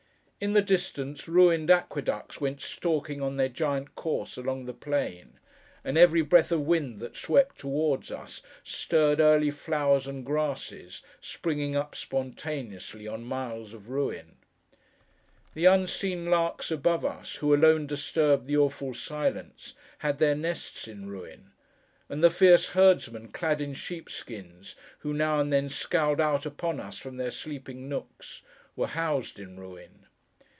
In the distance, ruined aqueducts went stalking on their giant course along the plain; and every breath of wind that swept towards us, stirred early flowers and grasses, springing up, spontaneously, on miles of ruin. The unseen larks above us, who alone disturbed the awful silence, had their nests in ruin; and the fierce herdsmen, clad in sheepskins, who now and then scowled out upon us from their sleeping nooks, were housed in ruin.